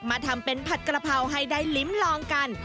ทำเป็นผัดกระเพราให้ได้ลิ้มลองกัน